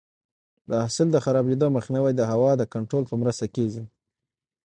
د حاصل د خرابېدو مخنیوی د هوا د کنټرول په مرسته کېږي.